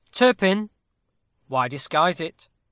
Turpin why disguise it?